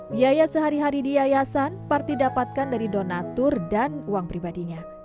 biaya sehari hari di yayasan parti dapatkan dari donatur dan uang pribadinya